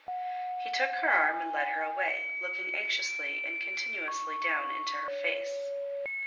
He took her arm and led her away, looking anxiously and continuously down into her face.